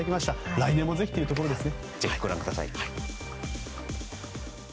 来年もぜひというところですね。